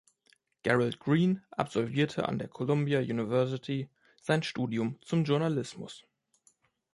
Gerald Green absolvierte an der Columbia University sein Studium zum Journalismus.